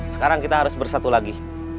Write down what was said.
sekarang kita harus bersatu lagi